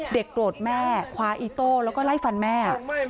เด็กโดดแม่คว้าอิโต้แล้วก็ไล่ฟันแม่